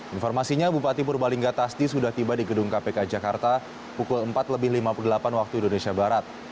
informasinya bupati purbalingga tasdi sudah tiba di gedung kpk jakarta pukul empat lebih lima puluh delapan waktu indonesia barat